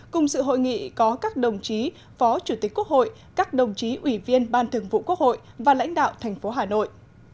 cùng sự hội nghị có các đồng chí phó chủ tịch quốc hội các đồng chí ủy viên ban thường vụ quốc hội và lãnh đạo thành phố hà nội